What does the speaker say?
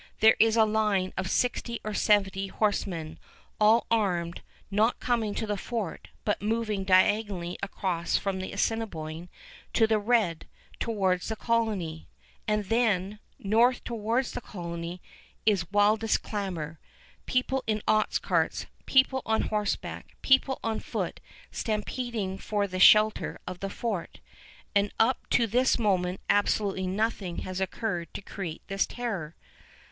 There is a line of sixty or seventy horsemen, all armed, not coming to the fort, but moving diagonally across from the Assiniboine to the Red towards the colony. And then, north towards the colony, is wildest clamor, people in ox carts, people on horseback, people on foot, stampeding for the shelter of the fort. And up to this moment absolutely nothing has occurred to create this terror.